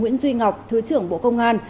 nguyễn duy ngọc thứ trưởng bộ công an